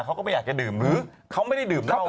เขาก็ไม่อยากจะดื่มหรือเขาไม่ได้ดื่มเหล้า